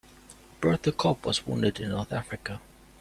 Bert the cop was wounded in North Africa.